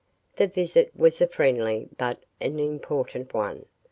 The visit was a friendly but an important one.